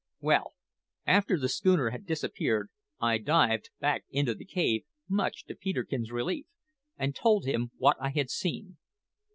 "Well, after the schooner had disappeared, I dived back into the cave, much to Peterkin's relief, and told him what I had seen.